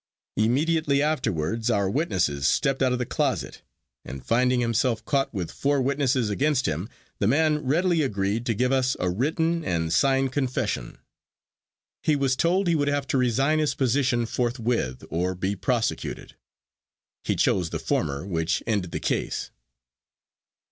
Immediately afterwards our witnesses stepped out of the closet, and finding himself caught with four witnesses against him, the man readily agreed to give us a written and signed confession. He was told he would have to resign his position forthwith or be prosecuted. He chose the former, which ended the case.